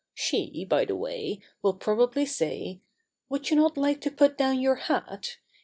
She, by the way, will probably say, "Would you not like to put down your hat?"